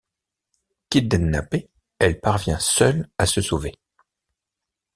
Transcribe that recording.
Kidnappée, elle parvient seule à se sauver.